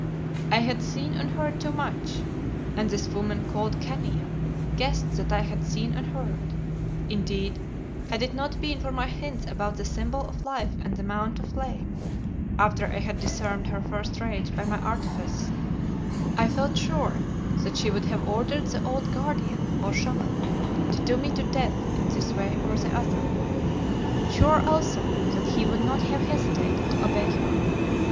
I had seen and heard too much, and this woman called Khania guessed that I had seen and heard. Indeed, had it not been for my hints about the Symbol of Life and the Mount of Flame, after I had disarmed her first rage by my artifice, I felt sure that she would have ordered the old Guardian or Shaman to do me to death in this way or the other; sure also that he would not have hesitated to obey her.